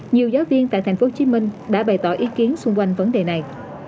nhiều giáo viên tại thành phố hồ chí minh đã bày tỏ ý kiến xung quanh vấn đề này